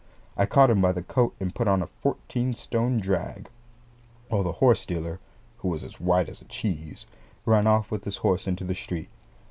I caught him by the coat and put on a fourteen stone drag, while the horse dealer (who was as white as a cheese) ran off with his horse into the street.